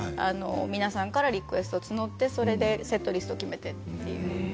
皆さんからリクエストを募ってセットリストを決めてという。